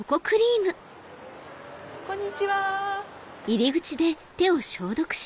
こんにちは。